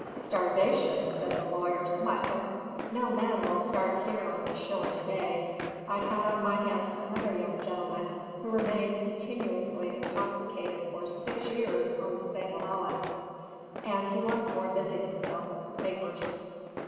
"Starvation!" said the lawyer, smiling. "No man will starve here on a shilling a day. I had on my hands another young gentleman, who remained continuously intoxicated for six years on the same allowance." And he once more busied himself with his papers.